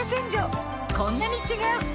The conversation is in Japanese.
こんなに違う！